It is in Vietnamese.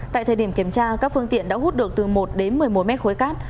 tại thời điểm kiểm tra các phương tiện đã hút được từ một đến một mươi một mét khối cát